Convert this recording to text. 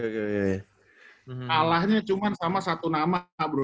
kalahnya cuma sama satu nama bro